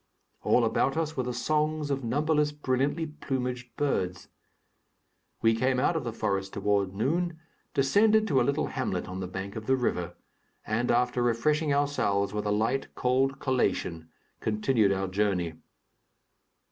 All about us were the songs of numberless brilliantly plumaged birds. We came out of the forest toward noon, descended to a little hamlet on the bank of the river, and after refreshing ourselves with a light, cold collation, continued our journey.